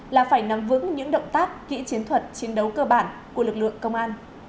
là phải nắm vững những động tác kỹ chiến thuật chiến đấu cơ bản của lực lượng công an